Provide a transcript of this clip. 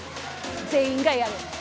全員がやる。